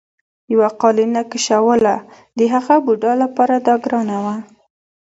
یوه قالینه کشوله د هغه بوډا لپاره دا ګرانه وه.